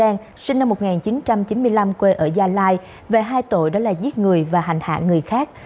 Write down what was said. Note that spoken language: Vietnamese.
nguyễn võ quỳnh trang sinh năm một nghìn chín trăm chín mươi năm quê ở gia lai về hai tội đó là giết người và hành hạ người khác